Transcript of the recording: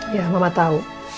ya mama tau